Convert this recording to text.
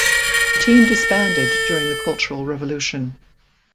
The team disbanded during the Cultural Revolution.